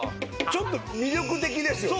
ちょっと魅力的ですよね